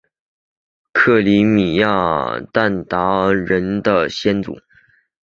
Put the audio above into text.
克里米亚鞑靼人的先祖？